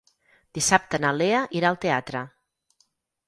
Dissabte na Lea irà al teatre.